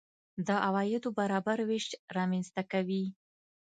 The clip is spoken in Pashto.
د عوایدو برابر وېش رامنځته کوي.